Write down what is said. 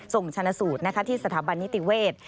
ส่งชนะสูตรที่สถาบันนิติเวศ